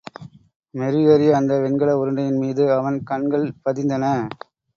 மெருகேறிய அந்த வெண்கல உருண்டையின் மீது அவன் கண்கள் பதிந்தன.